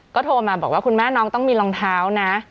ก็โทรมาบอกว่าคุณแม่น้องต้องมีรองเท้านะ